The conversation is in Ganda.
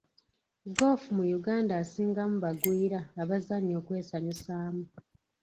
Ggoofu mu Uganda asingamu bagwira abazannya okwesanyusaamu.